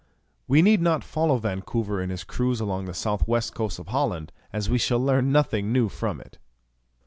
We need not follow Vancouver in his cruise along the south west coast of Holland, as we shall learn nothing new from it.